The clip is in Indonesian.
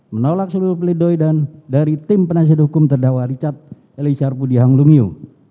satu menolak seluruh peledoi dan dari tim penasihat hukum terdawa richard elisarpudi hanglumiu